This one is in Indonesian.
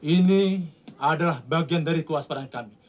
ini adalah bagian dari kewaspadaan kami